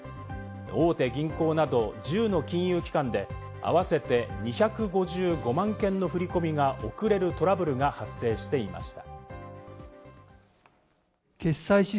大手銀行など１０の金融機関で合わせて２５５万件の振り込みが遅れるトラブルが発生していました。